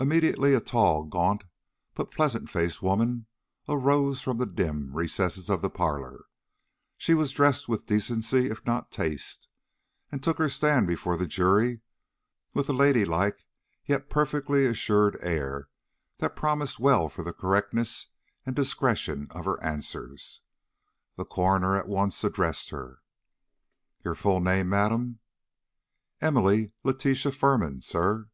Immediately a tall, gaunt, but pleasant faced woman arose from the dim recesses of the parlor. She was dressed with decency, if not taste, and took her stand before the jury with a lady like yet perfectly assured air that promised well for the correctness and discretion of her answers. The coroner at once addressed her. "Your full name, madam?" "Emily Letitia Firman, sir."